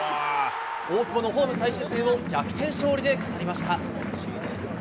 大久保のホーム最終戦を逆転勝利で飾りました。